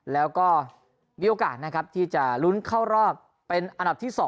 แล้วก็มีโอกาสนะครับที่จะลุ้นเข้ารอบเป็นอันดับที่๒